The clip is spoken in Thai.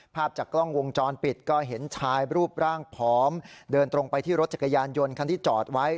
ภาพจากกล้องวงจรปิดก็เห็นชายรูปร่างผอมเดินตรงไปที่รถจักรยานยนต์คันที่จอดไว้